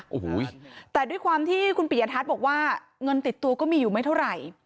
โอ้โหแต่ด้วยความที่คุณปิยทัศน์บอกว่าเงินติดตัวก็มีอยู่ไม่เท่าไหร่